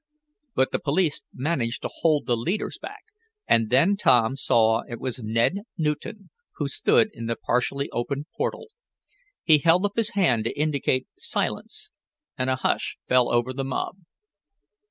But the police managed to hold the leaders back, and then Tom saw that it was Ned Newton, who stood in the partly opened portal. He held up his hand to indicate silence, and a hush fell over the mob.